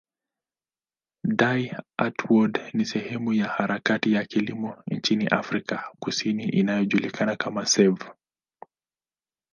Die Antwoord ni sehemu ya harakati ya kilimo nchini Afrika Kusini inayojulikana kama zef.